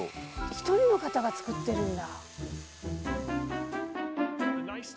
一人の方が作ってるんだ。